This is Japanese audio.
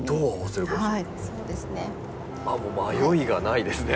あっもう迷いがないですね。